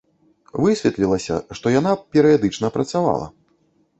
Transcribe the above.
Высветлілася, што яна перыядычна працавала.